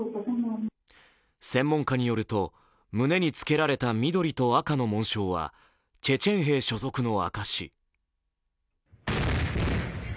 専門家によると胸につけられた緑と赤の紋章はチェチェン兵所属の証。